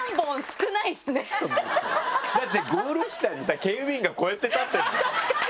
だってゴール下にさ警備員がこうやって立ってるんだよ。